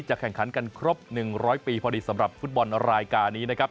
แข่งขันกันครบ๑๐๐ปีพอดีสำหรับฟุตบอลรายการนี้นะครับ